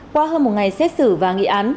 qua hơn một ngày xét xử và nghị án